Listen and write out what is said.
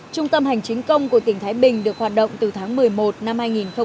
trung tâm hành chính công của tỉnh thái bình được hoạt động từ tháng một mươi một năm hai nghìn một mươi chín